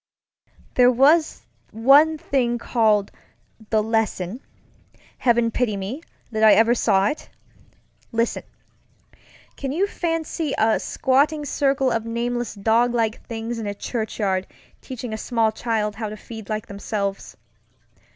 There was one thing called The LessonŌĆöheaven pity me, that I ever saw it! ListenŌĆöcan you fancy a squatting circle of nameless doglike things in a churchyard teaching a small child how to feed like themselves?